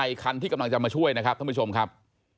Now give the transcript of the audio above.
คันที่กำลังจะมาช่วยนะครับท่านผู้ชมครับ